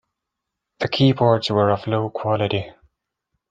The keyboards were of low quality.